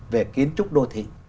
về kiến trúc đô thị